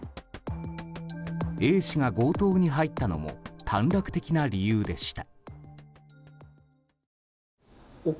Ａ氏が強盗に入ったのも短絡的な理由でした。